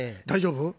大丈夫？